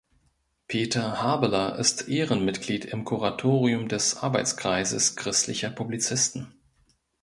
Peter Habeler ist Ehrenmitglied im Kuratorium des Arbeitskreises Christlicher Publizisten.